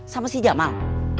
sama si jamal